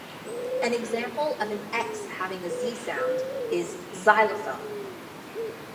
An example of an X having a Z sound is xylophone.